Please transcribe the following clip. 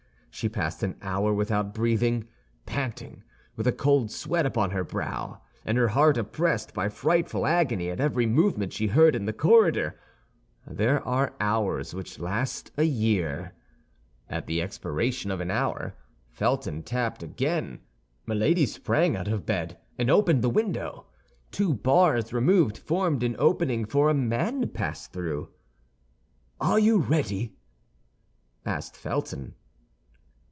She passed an hour without breathing, panting, with a cold sweat upon her brow, and her heart oppressed by frightful agony at every movement she heard in the corridor. There are hours which last a year. At the expiration of an hour, Felton tapped again. Milady sprang out of bed and opened the window. Two bars removed formed an opening for a man to pass through. "Are you ready?" asked Felton.